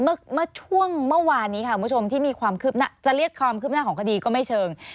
เมื่อช่วงเมื่อวานนี้ค่ะคุณผู้ชมที่มีความคืบหน้าจะเรียกความคืบหน้าของคดีก็ไม่เชิง